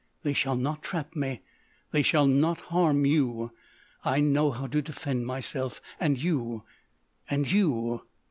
They shall not trap me. They shall not harm you!... I know how to defend myself and you!... And you!"